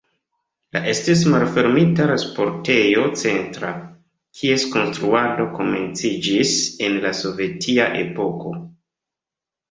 La estis malfermita la sportejo Centra, kies konstruado komenciĝis en la sovetia epoko.